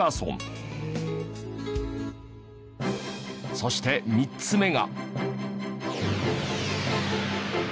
そして３つ目が。